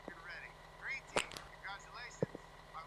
It is sometimes said to give the impression of a common buzzard.